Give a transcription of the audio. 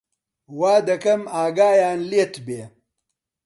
وا دەکەم ئاگایان لێت بێ